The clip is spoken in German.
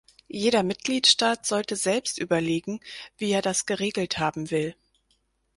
Jeder Mitgliedstaat sollte selbst überlegen, wie er das geregelt haben will.